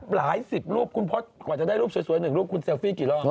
หลายสิบรูปคุณพศกว่าจะได้รูปสวย๑รูปคุณเซลฟี่กี่รอบ